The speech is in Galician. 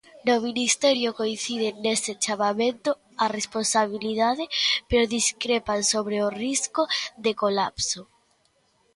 No Ministerio coinciden nese chamamento á responsabilidade pero discrepan sobre o risco de colapso.